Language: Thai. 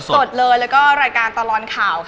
สดเลยแล้วก็รายการตลอดข่าว